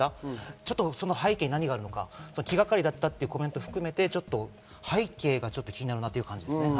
ちょっとその背景に何があるのか、気がかりだったというコメントを含めてその背景が気になるなという感じです。